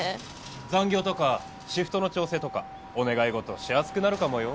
残業とかシフトの調整とかお願い事しやすくなるかもよ。